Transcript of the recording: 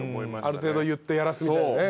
ある程度言ってやらすみたいなね